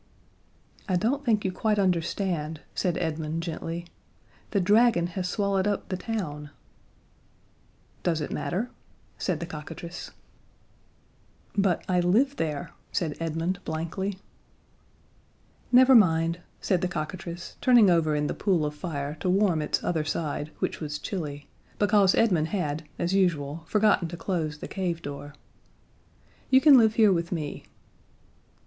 "I don't think you quite understand," said Edmund gently. "The dragon has swallowed up the town." "Does it matter?" said the cockatrice. [Illustration: "Creeping across the plain." See page 147.] "But I live there," said Edmund blankly. "Never mind," said the cockatrice, turning over in the pool of fire to warm its other side, which was chilly, because Edmund had, as usual, forgotten to close the cave door. "You can live here with me."